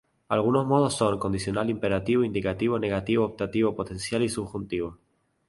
Algunos modos son: condicional, imperativo, indicativo, negativo, optativo, potencial y subjuntivo.